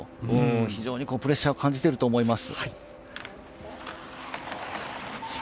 非常にプレッシャーを感じていると思います。